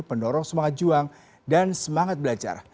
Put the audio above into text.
pendorong semangat juang dan semangat belajar